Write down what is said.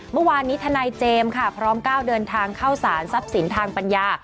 เมื่อวานนี้ทนายเจมส์ค่ะพร้อมก้าวเดินทางเข้าสารทรัพย์สินทางปัญญา